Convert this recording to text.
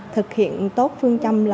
thực hiện tốt phương châm